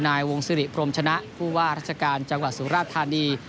นายวงศิริพรมชนะผู้ว่าราชการจังหวัดสุราธานี